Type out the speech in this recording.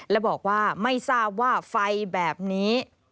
และบอกว่าไม่ทราบว่าไฟแบบนี้